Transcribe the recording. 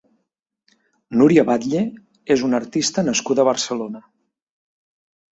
Núria Batlle és una artista nascuda a Barcelona.